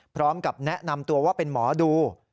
พร้อมกับแนะนำตัวว่าเป็นหมอดู